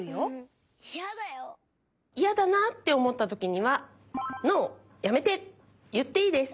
イヤだなっておもったときには「ＮＯ」「やめて」いっていいです。